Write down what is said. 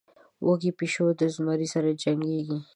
وږى پيشو د زمري سره جنکېږي.